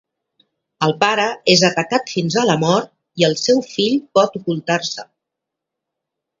El pare és atacat fins a la mort, i el seu fill pot ocultar-se.